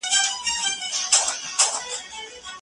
ګاونډیان به هره شپه په واویلا وه